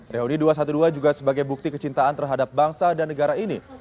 reuni dua ratus dua belas juga sebagai bukti kecintaan terhadap bangsa dan negara ini